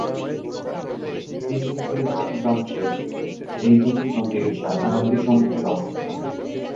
দক্ষিণ দিকের ভাটির অংশে এই দু’টি নদীর শাখানদীসমূহের অবস্থান।